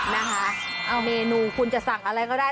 นะคะเอาเมนูคุณจะสั่งอะไรก็ได้